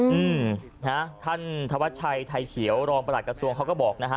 อืมนะฮะท่านธวัชชัยไทยเขียวรองประหลัดกระทรวงเขาก็บอกนะฮะ